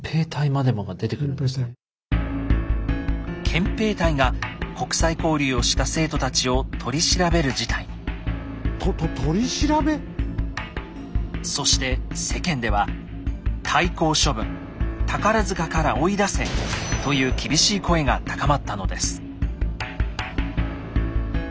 憲兵隊が国際交流をした生徒たちを取り調べる事態に。とと取り調べ⁉そして世間では「退校処分」「宝から追い出せ」という厳しい声が高まったのです。